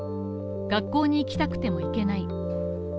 学校に行きたくてもいけない。